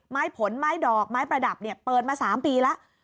ไม้ผลไม้ดอกไม้ประดับเนี่ยเปิดมา๓ปีแล้ว